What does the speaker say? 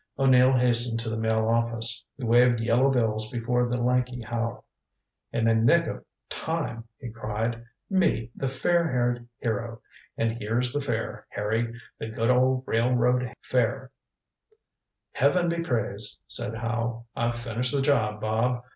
O'Neill hastened to the Mail office. He waved yellow bills before the lanky Howe. "In the nick of time," he cried. "Me, the fair haired hero. And here's the fare, Harry the good old railroad fare." "Heaven be praised," said Howe. "I've finished the job, Bob.